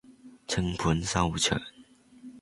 淸盤收場